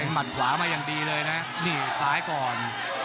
มัดขวามาอย่างดีเลยนะนี่ซ้ายก่อน